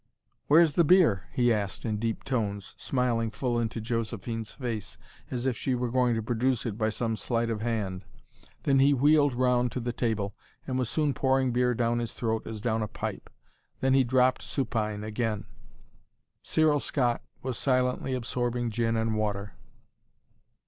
"Where's the beer?" he asked, in deep tones, smiling full into Josephine's face, as if she were going to produce it by some sleight of hand. Then he wheeled round to the table, and was soon pouring beer down his throat as down a pipe. Then he dropped supine again. Cyril Scott was silently absorbing gin and water.